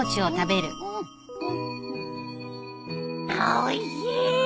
おいしい！